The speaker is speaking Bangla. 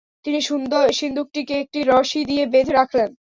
তিনি সিন্দুকটিকে একটি রশি দিয়ে বেঁধে রাখলেন।